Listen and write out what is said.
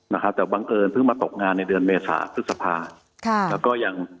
นะครับแต่บังเอิญเพิ่งมาตกงานในเดือนเมษาพฤษภาค่ะแล้วก็ยัง